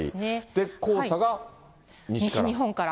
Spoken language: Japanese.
黄砂が西日本から。